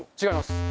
違います。